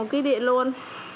một kwh luôn